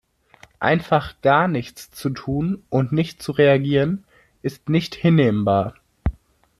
Einfach gar nichts zu tun und nicht zu reagieren ist nicht hinnehmbar.